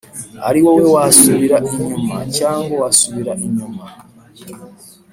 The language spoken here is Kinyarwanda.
ariwowe wasubira inyuma cyangwa wasubira inyuma